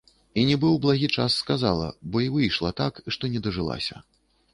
І нібы ў благі час сказала, бо і выйшла так, што не дажылася.